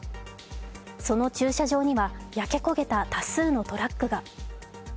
その駐車場には、焼け焦げた多数のトラックが。